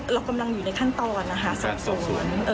เรากำลังอยู่ในขั้นตอนนะคะสอบสวน